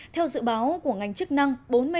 theo dự báo của ngành chức năng